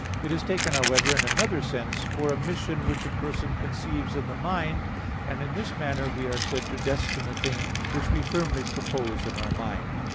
It is taken, however, in another sense for a mission which a person conceives in the mind; and in this manner we are said to destine a thing which we firmly propose in our mind.